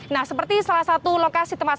nah seperti salah satu lokasi tempat